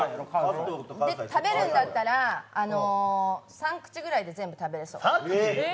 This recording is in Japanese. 食べるんだったら３口ぐらいで全部食べれそう。